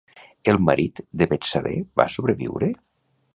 El marit de Betsabé va sobreviure?